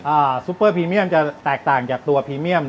ซุปเปอร์พรีเมียมจะแตกต่างจากตัวพรีเมียม